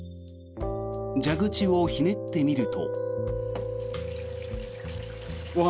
蛇口をひねってみると。